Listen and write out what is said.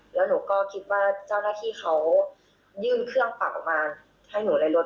แล้วหนูก็คิดว่าเจ้าหน้าที่เขายื่นเครื่องเป่ามาให้หนูในรถ